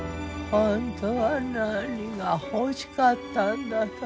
本当は何が欲しかったんだか